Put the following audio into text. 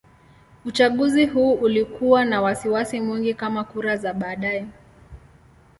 Uchaguzi huu ulikuwa na wasiwasi mwingi kama kura za baadaye.